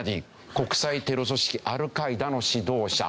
国際テロ組織アルカイダの指導者。